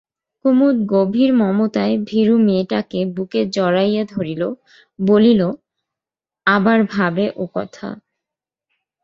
কুমুদ গভীর মমতায় ভীরু মেয়েটাকে বুকে জড়াইয়া ধরিল, বলিল, আবার ভাবে ওকথা।